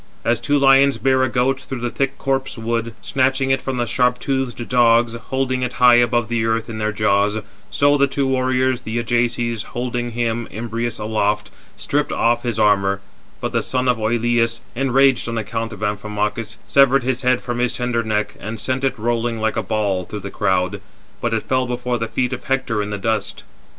As two lions bear a goat through the thick copse wood, snatching it from the sharp toothed dogs, holding it high above the earth in their jaws; so the two warriors, the Ajaces, holding him [Imbrius] aloft, stripped off his armour; but the son of Oïleus, enraged on account of Amphimachus, severed his head from his tender neck, and sent it rolling like a ball through the crowd; but it fell before the feet of Hector in the dust.